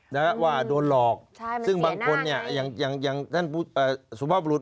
และว่าโดนหลอกซึ่งบางคนอย่างท่านสุภาพบรุษ